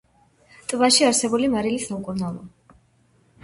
ტბაში არსებული მარილი სამკურნალოა.